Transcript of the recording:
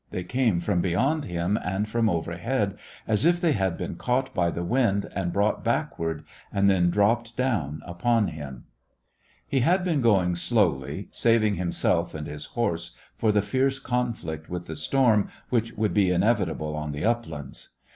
They came from beyond him and from overhead, as if they had been caught by the wind and brought back ward, and then dropped down upon him. He had been going slowly, saving himself and his horse for the fierce conflict with the storm which would be inevitable on the uplands.